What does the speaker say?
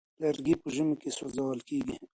لرګي په ژمي کې سوزول کيږي.